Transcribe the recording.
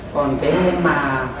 còn cái hôm mà